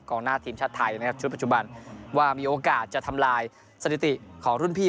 หน้าทีมชาติไทยนะครับชุดปัจจุบันว่ามีโอกาสจะทำลายสถิติของรุ่นพี่